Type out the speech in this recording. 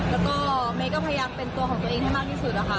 แล้วก็เมย์ก็พยายามเป็นตัวของตัวเองให้มากที่สุดนะคะ